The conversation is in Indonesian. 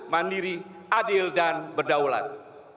mandiri adil dan berdaulat